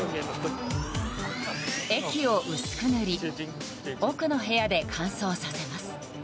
液を薄く塗り奥の部屋で乾燥させます。